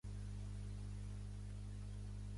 També era conegut com a "Saint Wilfrid's College".